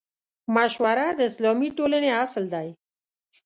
مشوره د اسلامي ټولنې اصل دی.